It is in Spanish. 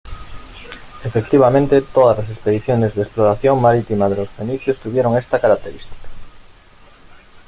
Efectivamente, todas las expediciones de exploración marítima de los fenicios tuvieron esta característica.